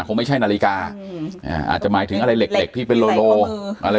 คงไม่ใช่นาฬิกาอาจจะหมายถึงอะไรเหล็กเหล็กที่เป็นโลโลอะไร